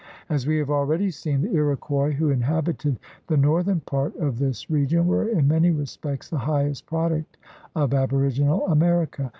As we have already seen, the Iroquois who inhabited the northern part of this region were in many respects the highest product of aboriginal America.